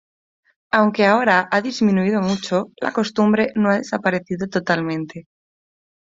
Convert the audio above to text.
Aunque ahora ha disminuido mucho, la costumbre no ha desaparecido totalmente.